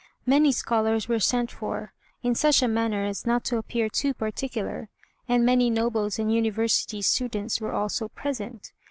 Many scholars were sent for, in such a manner as not to appear too particular; and many nobles and University students were also present.